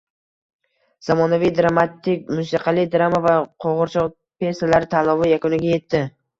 Zamonaviy dramatik, musiqali drama va qo‘g‘irchoq pesalari tanlovi yakuniga yetdi